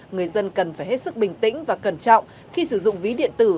người dân cần phải hết sức bình tĩnh và cẩn trọng khi sử dụng ví điện tử